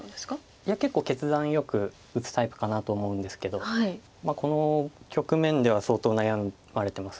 いや結構決断よく打つタイプかなと思うんですけどこの局面では相当悩まれてます。